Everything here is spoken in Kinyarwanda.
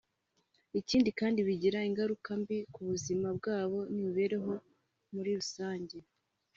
Ikindi kandi bigira ingaruka mbi ku buzima bwabo n’imibereho muri rusange